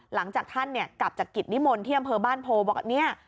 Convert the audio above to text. หลังจากท่านกลับจากกิตมิมลเที่ยมเพอบ้านโพบอกว่า